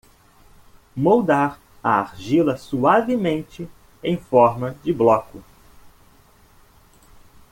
Moldar a argila suavemente em forma de bloco.